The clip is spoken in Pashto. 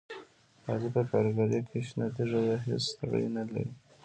علي په کارګرۍ کې شنه تیږه دی، هېڅ ستړیې نه لري.